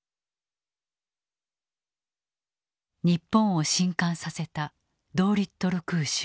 日本を震撼させたドーリットル空襲。